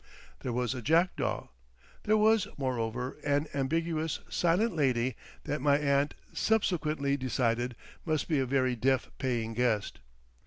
There was a jackdaw. There was, moreover, an ambiguous, silent lady that my aunt subsequently decided must be a very deaf paying guest.